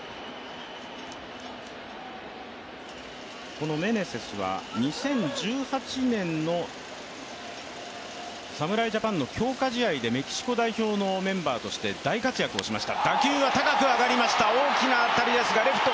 このメネセスは２０１８年の侍ジャパンの強化試合でメキシコ代表のメンバーとして大活躍をしました。